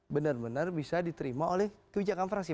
benar benar bisa diterima oleh kebijakan fraksi